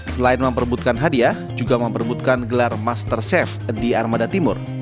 selain memperebutkan hadiah juga memperebutkan gelar masterchef di armada timur